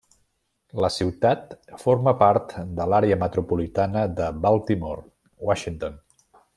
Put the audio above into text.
La ciutat forma part de l'Àrea metropolitana de Baltimore-Washington.